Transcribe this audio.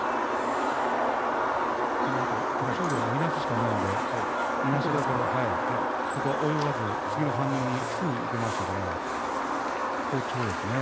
徳勝龍は、もういなすしかないのでそこで泳がず次の反応にすぐいけましたから好調ですね。